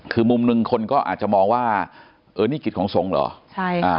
คือมุมหนึ่งคนก็อาจจะมองว่าเออนี่กฤษของทรงเหรอ